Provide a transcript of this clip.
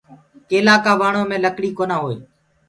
ڪيلآ ڪآ وڻو مي لڪڙي ڪونآ هوئي۔